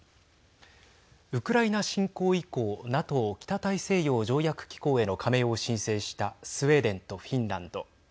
ウクライナ侵攻以降ＮＡＴＯ＝北大西洋条約機構への加盟を申請したスウェーデンとフィンランド。